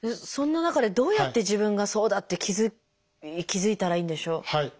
そんな中でどうやって自分がそうだって気付いたらいいんでしょう？